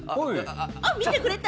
見てくれた？